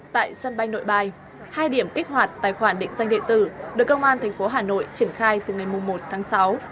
tại sân bay nội bài hai điểm kích hoạt tài khoản định danh điện tử được công an tp hà nội triển khai từ ngày một tháng sáu